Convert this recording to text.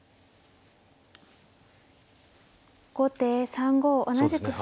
後手３五同じく歩。